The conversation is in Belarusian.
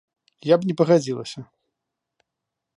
Я б не пагадзілася.